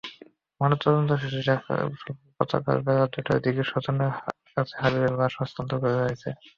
ময়নাতদন্ত শেষে গতকাল বেলা দুইটার দিকে স্বজনদের কাছে হাবিবের লাশ হস্তান্তর করা হয়েছে।